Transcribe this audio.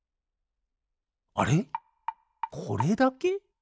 あれこれだけ？